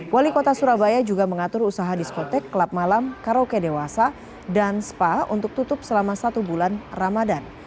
wali kota surabaya juga mengatur usaha diskotek klub malam karaoke dewasa dan spa untuk tutup selama satu bulan ramadan